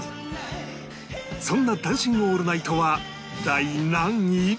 そんな『ダンシング・オールナイト』は第何位？